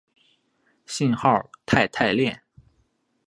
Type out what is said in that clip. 信号肽肽链。